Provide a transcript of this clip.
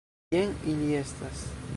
Jen ili estas.